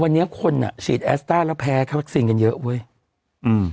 วันนี้คนอ่ะฉีดแอสต้าแล้วแพ้แค่วัคซีนกันเยอะเว้ยอืม